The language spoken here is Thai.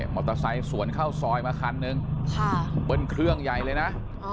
มอเตอร์ไซค์สวนเข้าซอยมาคันนึงเบิ้ลเครื่องใหญ่เลยนะ